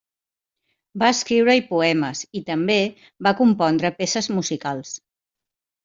Va escriure-hi poemes i també va compondre peces musicals.